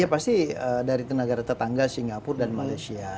ya pasti dari tenaga tetangga singapura dan malaysia